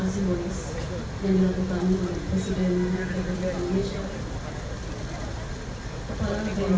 sebelum dilakukan pengetesan